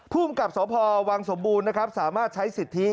ผู้กับสภวังสมบูรณ์สามารถใช้สิทธิ